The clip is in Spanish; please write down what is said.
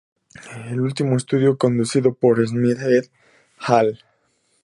El último estudio conducido por Smith et al.